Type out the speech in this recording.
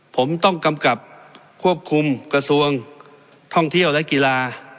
ผมต้องกำกับควบคุมกระทรวงท่องเที่ยวและกีฬา